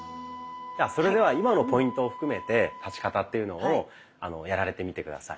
それでは今のポイントを含めて立ち方というのをやられてみて下さい。